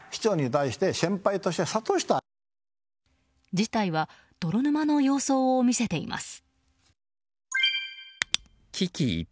事態は泥沼の様相を見せています。